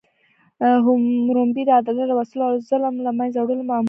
حموربي د عدالت راوستلو او ظلم له منځه وړلو مامور شو.